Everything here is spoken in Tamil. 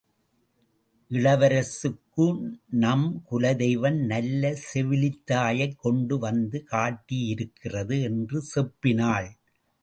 இளவரசுக்கு நம் குலதெய்வம் நல்ல செவிலித்தாயைக் கொண்டு வந்து காட்டியிருக்கிறது! என்று செப்பினாள்.